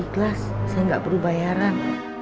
saya ikhlas saya gak perlu bayaran